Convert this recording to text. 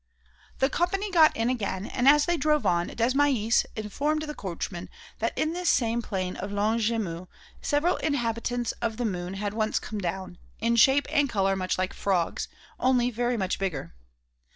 The company got in again, and as they drove on, Desmahis informed the coachman that in this same plain of Longjumeau several inhabitants of the Moon had once come down, in shape and colour much like frogs, only very much bigger.